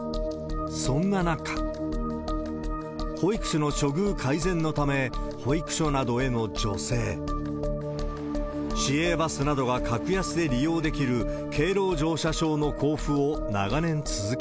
そんな中、保育士の処遇改善のため、保育所などへの助成、市営バスなどが格安で利用できる敬老乗車証の交付を長年続け